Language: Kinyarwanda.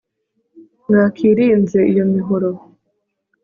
mwakilinze iyo mihoro